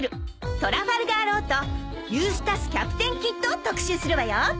トラファルガー・ローとユースタス・キャプテン・キッドを特集するわよ。